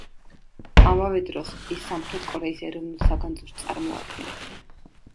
ამავე დროს, ის სამხრეთ კორეის ეროვნულ საგანძურს წარმოადგენს.